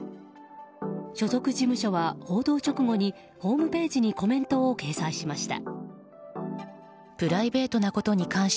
所属事務所は報道直後にホームページにコメントを掲載しました。